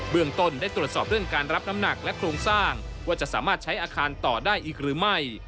เมืองต้นได้ตรวจสอบเรื่องการรับน้ำหนักและโครงสร้างว่าจะสามารถใช้อาคารต่อได้อีกหรือไม่